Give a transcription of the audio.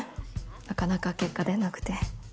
なかなか結果出なくて。